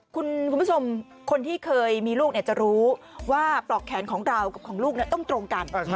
คุณผู้ชมคนที่เคยมีลูกจะรู้ว่าปลอกแขนของเรากับของลูกต้องตรงกัน